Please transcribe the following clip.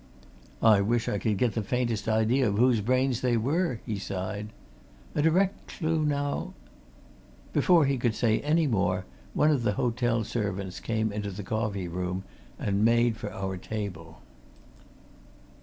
"I wish I could get the faintest idea of whose brains they were!" he sighed. "A direct clue, now " Before he could say any more one of the hotel servants came into the coffee room and made for our table.